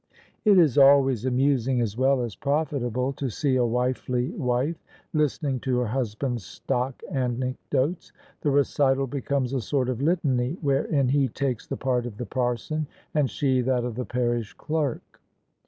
It is always amusing, as well as profitable, to see a wifely wife listening to her husband's stock anecdotes: the recital becomes a sort of litany, wherein he takes the part of the parson and she that of the parish clerk.